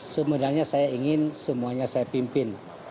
sebenarnya saya ingin semuanya saya pimpin